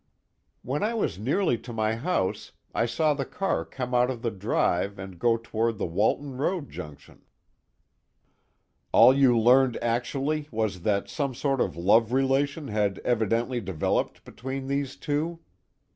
"When I was nearly to my house, I saw the car come out of the drive and go toward the Walton Road junction." "All you learned, actually, was that some sort of love relation had evidently developed between these two?"